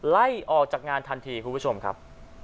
ไล่ออกจากงานทันทีคุณผู้ชมครับ